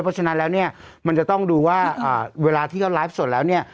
เพราะฉะนั้นแล้วเนี่ยมันจะต้องดูว่าเวลาที่เขาไลฟ์สดแล้วเนี่ย